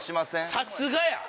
さすがや！